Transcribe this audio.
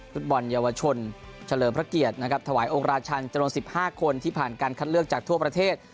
ฟุตบอลเยาวชนเฉลิมพระเกียรตินะครับถวายองค์ราชันจำนวน๑๕คนที่ผ่านการคัดเลือกจากทั่วประเทศ